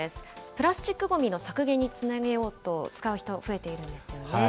プラスチックごみの削減につなげようと、使う人が増えているんですよね。